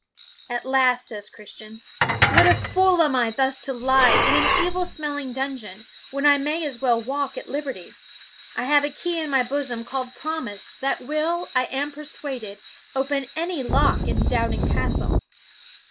At last, says Christian, " What a fool am I thus to lie in an evil smelling dungeon, when I may as well walk at liberty. I have a key in my bosom, called Promise, that will, I am persuaded, open any lock in Doubting Castle."